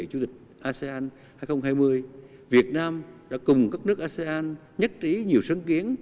chủ tịch asean hai nghìn hai mươi việt nam đã cùng các nước asean nhất trí nhiều sân kiến